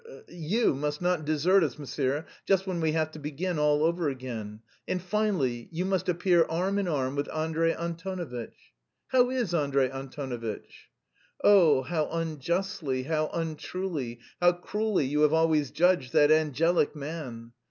You must not desert us, monsieur, just when we have to begin all over again. And finally, you must appear arm in arm with Andrey Antonovitch.... How is Andrey Antonovitch?" "Oh, how unjustly, how untruly, how cruelly you have always judged that angelic man!"